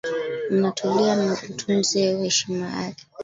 Mnatulia na utunze heshima yake.